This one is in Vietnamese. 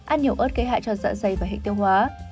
ăn nhiều ớt gây hại cho dạ dày và hệ tiêu hóa